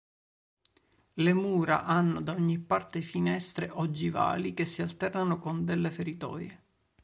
Le mura hanno da ogni parte finestre ogivali che si alternano con delle feritoie.